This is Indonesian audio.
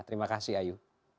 terima kasih ayu